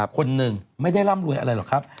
คนหนึ่งไม่ได้ร่ำรวยอะไรหรอกครับ